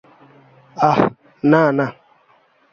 আহ্ না, না।